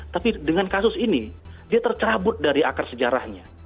tapi dengan kasus ini dia tercerabut dari akar sejarahnya